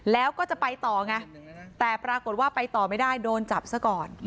แล้วก็จะไปต่อไงแต่ปรากฏว่าไปต่อไม่ได้โดนจับซะก่อน